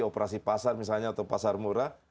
operasi pasar misalnya atau pasar murah